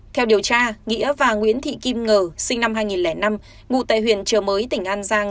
theo điều tra nghĩa và nguyễn thị kim ngờ sinh năm hai nghìn năm ngụ tại huyện trợ mới tỉnh an giang